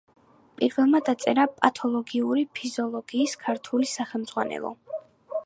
პირველმა დაწერა პათოლოგიური ფიზიოლოგიის ქართული სახელმძღვანელო.